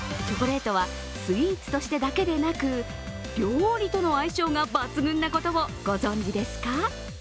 チョコレートはスイーツとしてだけでなく料理との相性が抜群なことをご存じですか？